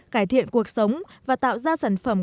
cải thiện cuộc sống và tạo ra sản phẩm